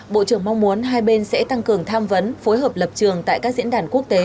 bộ trưởng mong muốn hai bên sẽ tăng cường tham vấn phối hợp lập trường tại các diễn đàn quốc tế